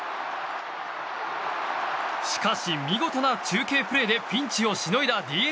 しかし、見事な中継プレーでピンチをしのいだＤｅＮＡ。